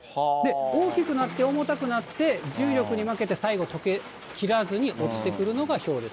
大きくなって重たくなって、重力に負けて最後、とけきらずに落ちてくるのがひょうです。